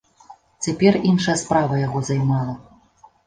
Цяпер іншая справа яго займала.